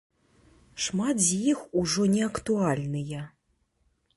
Шмат з іх ужо неактуальныя.